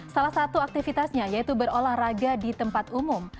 salah satu aktivitasnya yaitu berolahraga di tempat umum